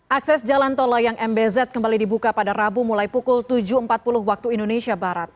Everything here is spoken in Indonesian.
akses jalan tol layang mbz kembali dibuka pada rabu mulai pukul tujuh empat puluh waktu indonesia barat